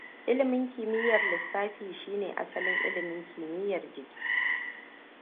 Ilimin kimiyyar lissafi shine asalin ilimin kimiyyar jiki.